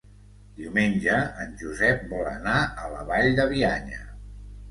Diumenge en Josep vol anar a la Vall de Bianya.